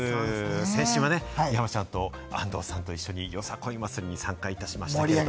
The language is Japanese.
先週はね、山ちゃんと安藤さんと一緒に、よさこい祭りに参加いたしました。